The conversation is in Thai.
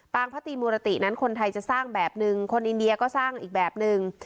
พระตีมุรตินั้นคนไทยจะสร้างแบบนึงคนอินเดียก็สร้างอีกแบบนึง